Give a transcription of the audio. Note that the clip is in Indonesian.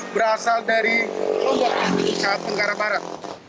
berasal dari kelompok penggara barat